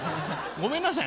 ごめんなさい。